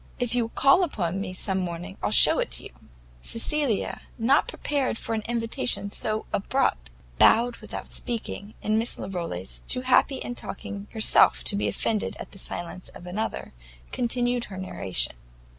If you'll call upon me some morning, I'll shew it you." Cecilia, not prepared for an invitation so abrupt, bowed without speaking, and Miss Larolles, too happy in talking herself to be offended at the silence of another, continued her narration.